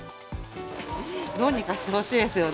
どうにかしてほしいですよね。